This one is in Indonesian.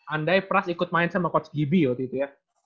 andai pras ikut main sama coach gibi waktu itu ya